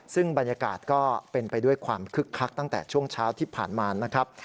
ซึ่งบรรยากาศก็เป็นไปด้วยความคึกคักตั้งแต่ช่วงเช้าที่ผ่านมานะครับ